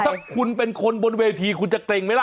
ถ้าคุณเป็นคนบนเวทีคุณจะเกร็งไหมล่ะ